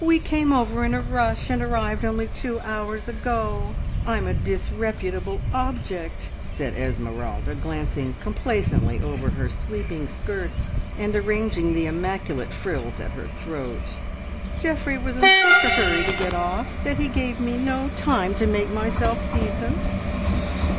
"We came over in a rush, and arrived only two hours ago. I'm a disreputable object!" said Esmeralda, glancing complacently over her sweeping skirts, and arranging the immaculate frills at her throat. "Geoffrey was in such a hurry to get off that he gave me no time to make myself decent."